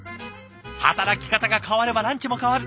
働き方が変わればランチも変わる！